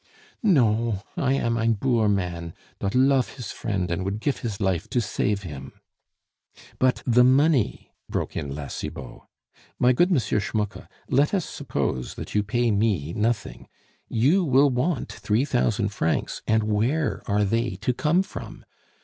"No, I am ein boor man, dot lof his friend and vould gif his life to save him " "But the money?" broke in La Cibot. "My good M. Schmucke, let us suppose that you pay me nothing; you will want three thousand francs, and where are they to come from?